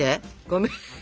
ごめん。